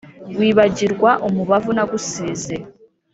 Wibagirwa umubavu nagusize